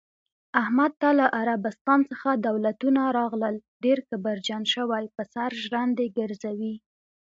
احمد ته له عربستان څخه دولتونه راغلل، ډېر کبرجن شوی، په سر ژرندې ګرځوی.